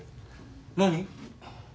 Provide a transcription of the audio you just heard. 何？